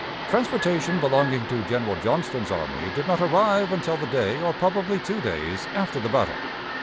Transportation belonging to General Johnston's army did not arrive until the day (or probably two days) after the battle.